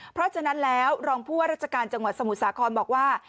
เพราะฉะนั้นแล้วรองผู้ว่าราชการจังหวัดสมุทรสาครบอกว่า